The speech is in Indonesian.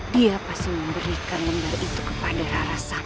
dia pasti memberikan lembar itu kepada rara santang